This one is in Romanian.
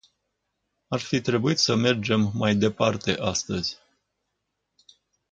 Ar fi trebuit să mergem mai departe astăzi.